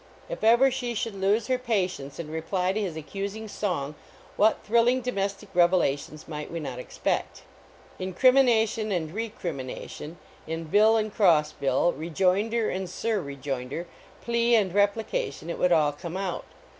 If ever she should lose her patience and reply to his accusing song, what thrilling domestic revelations might we not expect? In crimi nation and recrimination, in bill and cross bill, rejoinder and sur rejoinder, plea and replication, it would all come out.